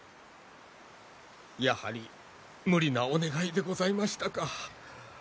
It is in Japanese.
やはり無理なお願いでございましたか。